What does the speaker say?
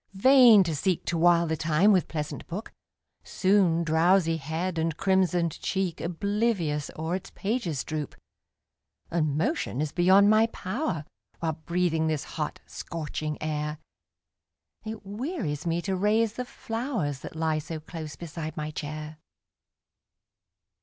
vain to seek To while the time with pleasant book, Soon drowsy head and crimsoned cheek Oblivious o'er its pages droop And motion is beyond my power, While breathing this hot, scorching air, It wearies me to raise the flowers, That lie so close beside my chair.